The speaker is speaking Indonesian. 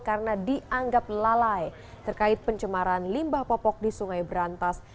karena dianggap lalai terkait pencemaran limbah popok di sungai berantas